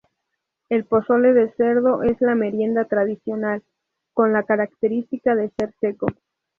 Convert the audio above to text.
El pozole de cerdo es la merienda tradicional, con la característica de ser seco.